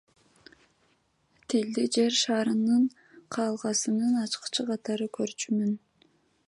Тилди Жер шарынын каалгасынын ачкычы катары көрчүмүн.